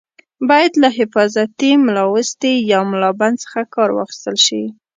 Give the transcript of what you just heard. باید له حفاظتي ملاوستي یا ملابند څخه کار واخیستل شي.